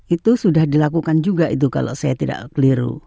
itu sudah dilakukan juga itu kalau saya tidak keliru